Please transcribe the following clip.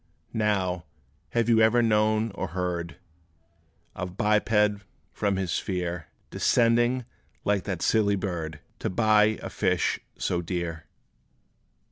Now, have you ever known or heard Of biped, from his sphere Descending, like that silly bird, To buy a fish so dear?